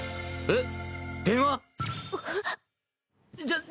えっ？